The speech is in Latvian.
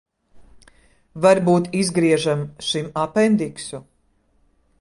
Varbūt izgriežam šim apendiksu?